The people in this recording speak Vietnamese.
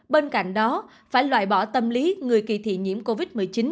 bên cạnh đó phải loại bỏ tâm lý người kỳ thị nhiễm covid một mươi chín